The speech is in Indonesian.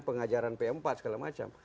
pengajaran p empat segala macam